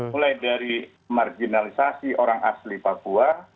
mulai dari marginalisasi orang asli papua